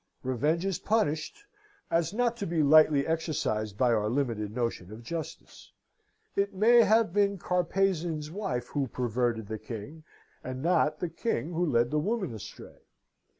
Revenge is punished as not to be lightly exercised by our limited notion of justice. It may have been Carpezan's wife who perverted the King, and not the King who led the woman astray.